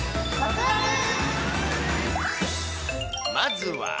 まずは。